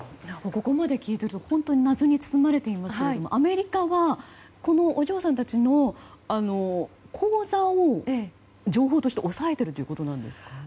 ここまで聞いていると本当に謎に包まれていますがアメリカはこのお嬢さんたちの口座を情報として押さえているということなんですか？